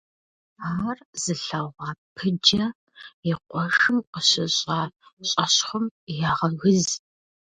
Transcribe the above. Ар зылъэгъуа Пыджэ и къуэшым къыщыщӀа щӀэщхъум егъэгыз.